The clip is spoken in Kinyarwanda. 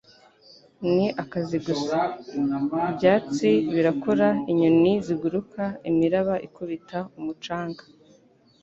Ni akazi gusa. Ibyatsi birakura, inyoni ziguruka, imiraba ikubita umucanga.